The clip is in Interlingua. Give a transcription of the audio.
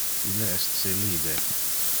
Ille es celibe.